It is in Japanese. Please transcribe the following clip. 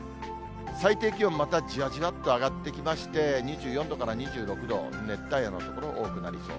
最低気温、またじわじわっと上がってきまして、２４度から２６度、熱帯夜の所、多くなりそう。